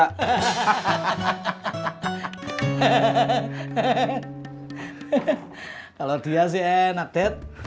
kalau dia sih enak dad